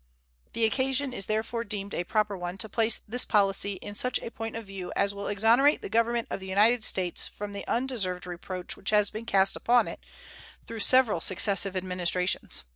The occasion is therefore deemed a proper one to place this policy in such a point of view as will exonerate the Government of the United States from the undeserved reproach which has been cast upon it through several successive Administrations.